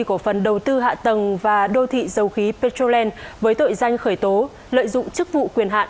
cổ phần đầu tư hạ tầng và đô thị dầu khí petrolen với tội danh khởi tố lợi dụng chức vụ quyền hạn